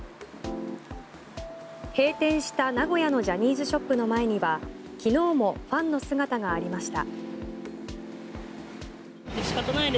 閉店した名古屋のジャニーズショップの前には昨日もファンの姿がありました。